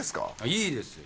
いいですよ。